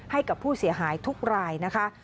ให้กับผู้เสียหายทุกรายนะคะ